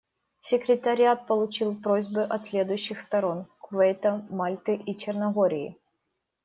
Секретариат получил просьбы от следующих сторон: Кувейта, Мальты и Черногории.